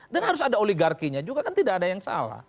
dan harus ada oligarkinya juga kan tidak ada yang salah